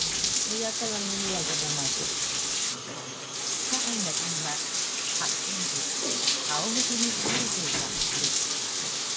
不可解な点は、発見時仰向けに倒れていた２人。